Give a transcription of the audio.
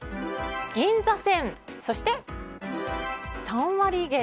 銀座線、そして３割減。